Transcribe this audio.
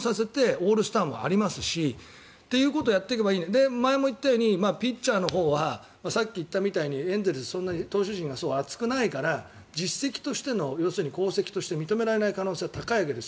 オールスターもあるし。ということをやっていけばいいのに前も言ったようにピッチャーのほうはさっき言ったみたいにエンゼルスは投手陣が厚くないから実績として功績として認められない可能性が高いわけです。